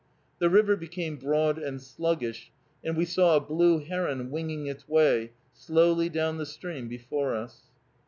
The river became broad and sluggish, and we saw a blue heron winging its way slowly down the stream before us.